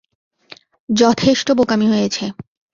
যথেষ্ঠ বোকামি হয়েছে।